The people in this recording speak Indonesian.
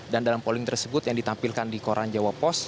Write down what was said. dan dalam polling tersebut yang ditampilkan di koran jawa post